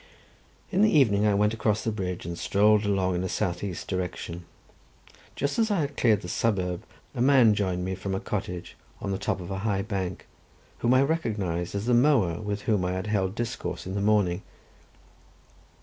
In the evening I went across the bridge and strolled along in a south east direction. Just as I had cleared the suburb a man joined me from a cottage, on the top of a high bank, whom I recognized as the mower with whom I had held discourse in the morning.